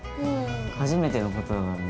初めての事だからね。